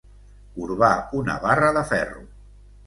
Corbar una barra de ferro.